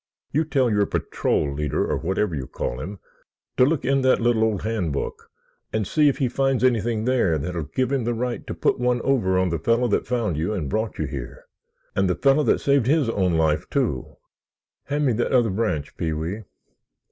You tell your patrol leader, or whatever you call him, to look in that little old Handbook and see if he finds anything there that'll give him the right to put one over on the fellow that found you and brought you here; and the fellow that saved his own life, too! Hand me that other branch, Pee wee."